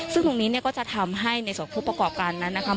ซึ่งตรงนี้เนี่ยก็จะทำให้ในส่วนของผู้ประกอบการนั้นนะคะ